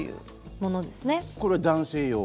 これは男性用？